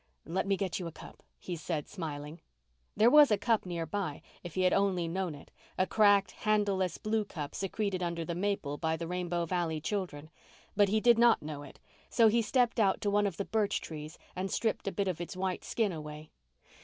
"Let me get you a cup," he said smiling. There was a cup near by, if he had only known it, a cracked, handleless blue cup secreted under the maple by the Rainbow Valley children; but he did not know it, so he stepped out to one of the birch trees and stripped a bit of its white skin away.